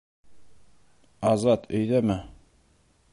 — Азат өйҙәме?